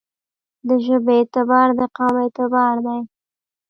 دژبې اعتبار دقوم اعتبار دی.